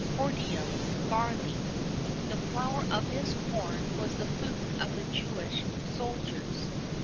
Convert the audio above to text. [II 3] Hordeum, barley.[II 4] The flour of this corn was the food of the Jewish soldiers.